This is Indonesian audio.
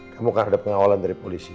kamu keadaan pengawalan dari polisi